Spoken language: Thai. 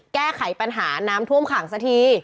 แก้ไขปัญหาน้ำท่วมขังสักที